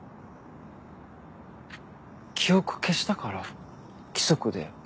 記憶消したから規則で。